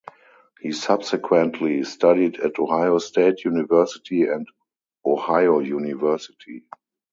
He subsequently studied at Ohio State University and Ohio University.